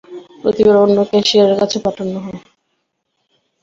প্রতিবার অন্য ক্যাশিয়ারের কাছে পাঠানো হয়।